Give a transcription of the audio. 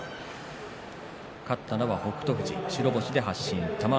勝ったのは北勝富士白星発進です。